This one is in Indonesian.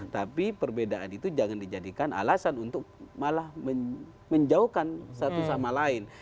tapi perbedaan itu jangan dijadikan alasan untuk malah menjauhkan satu sama lain